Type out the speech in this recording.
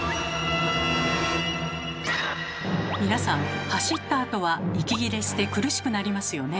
皆さん走ったあとは息切れして苦しくなりますよね。